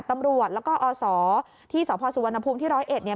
ตำรวจแล้วก็อศที่สพสุวรรณภูมิที่ร้อยเอ็ดเนี่ย